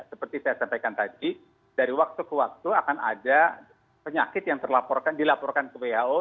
seperti saya sampaikan tadi dari waktu ke waktu akan ada penyakit yang dilaporkan ke who